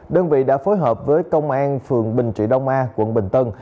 đơn vị đã phối hợp với công an phường bình trị đông a quận bình tân